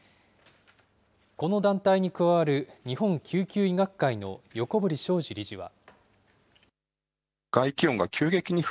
この団体に加わる日本救急医学会の横堀將司理事は。